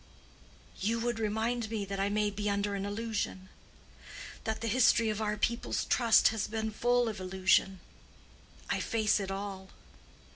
"You would remind me that I may be under an illusion—that the history of our people's trust has been full of illusion. I face it all."